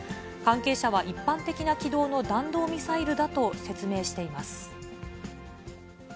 関係者は一般的な軌道の弾道ミサイルだと説明しています。